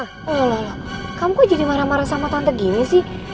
lho loh loh kamu kok jadi marah marah sama tante gini sih